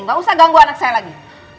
gak usah ganggu anak saya lagi